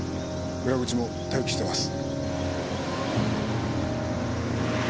裏口も待機してます。